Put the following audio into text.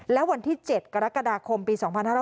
และวันที่๗กรกฎาคมปี๒๕๕๙